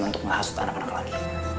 untuk menghasut anak anak lagi